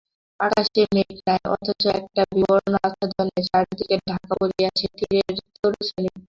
আকাশে মেঘ নাই, অথচ একটা বিবর্ণ আচ্ছাদনে চারিদিক ঢাকা পড়িয়াছে-তেীরের তরুশ্রেণী পাংশুবর্ণ।